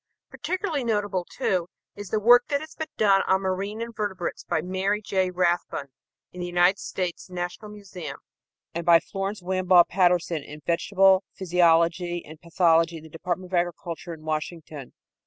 Particularly notable, too, is the work that has been done on marine invertebrates by Mary J. Rathbun in the United States National Museum and by Florence Wambaugh Patterson in vegetable physiology and pathology in the Department of Agriculture in Washington.